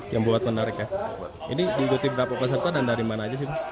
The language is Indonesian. yang buat menarik ya ini diikuti berapa peserta dan dari mana aja sih